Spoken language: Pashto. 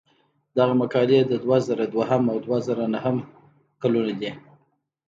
دغه مقالې د دوه زره دویم او دوه زره نهم کلونو دي.